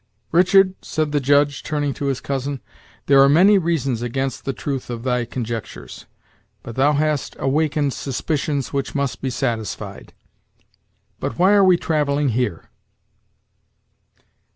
"Richard," said the Judge, turning to his cousin, "there are many reasons against the truth of thy conjectures, but thou hast awakened suspicions which must be satisfied. But why are we travelling here?"